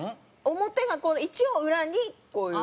表がこうで一応裏にこういう。